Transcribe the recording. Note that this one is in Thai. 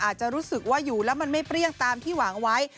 อาจจะรู้สึกว่าอยู่แล้วมันไม่เปรี้ยงตามที่หวังไว้